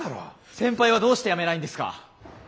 先輩はどうして辞めないんですか？